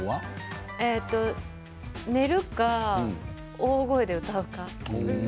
寝るか大声で歌うか。